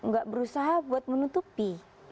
dan nggak berusaha buat menutupi